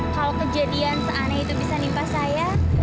kalau kejadian seaneh itu bisa nimpa saya